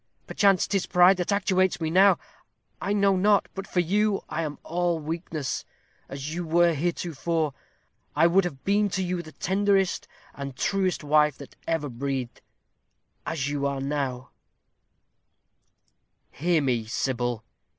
Perchance 'tis pride that actuates me now. I know not. But for you I am all weakness. As you were heretofore, I would have been to you the tenderest and truest wife that ever breathed; as you are now " "Hear me, Sybil."